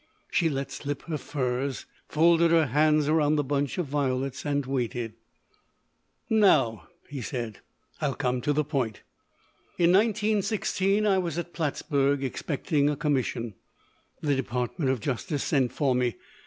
She let slip her furs, folded her hands around the bunch of violets and waited. "Now," he said, "I'll come to the point. In 1916 I was at Plattsburg, expecting a commission. The Department of Justice sent for me.